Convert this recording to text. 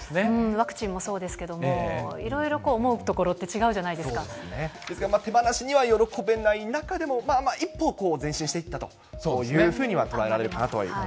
ワクチンもそうですけれども、いろいろ思うところって違うじゃですから、手放しには喜べない中でも、一歩前進していったというふうには捉えられるかなと思います。